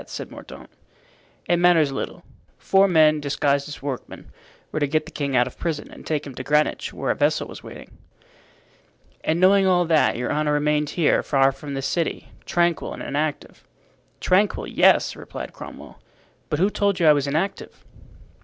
said Mordaunt. "It matters little. Four men, disguised as workmen, were to get the king out of prison and take him to Greenwich, where a vessel was waiting." "And knowing all that, your honor remained here, far from the city, tranquil and inactive." "Tranquil, yes," replied Cromwell. "But who told you I was inactive?"